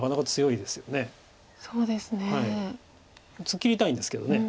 突っ切りたいんですけど。